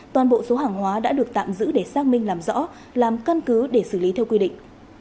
toàn bộ số hàng hóa đã được tạm giữ để xác minh làm rõ làm căn cứ để xử lý theo quy định